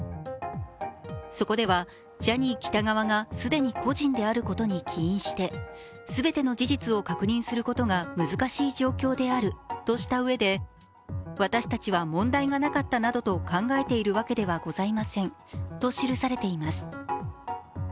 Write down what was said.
そこでは、ジャニー喜多川が既に故人であることに起因して全ての事実を確認することが難し状況であるとしたうえで私たちは問題がなかったなどと考えているわけではございませんと記されています。